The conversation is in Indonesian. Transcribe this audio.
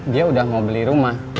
dia udah mau beli rumah